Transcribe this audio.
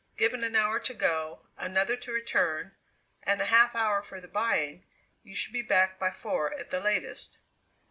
Given an hour to go, another to return, and a half hour for the buying, you should be back by four at the latest."